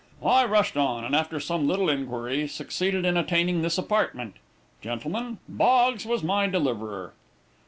I rushed on, and after some little inquiry, succeeded in attaining this apartment. Gentlemen, Boggs was my deliverer."